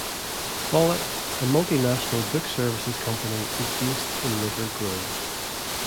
Follett, a multi-national book services company, is based in River Grove.